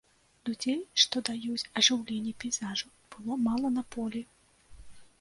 Людзей, што даюць ажыўленне пейзажу, было мала на полі.